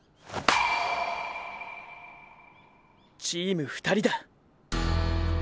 チーム２人だ！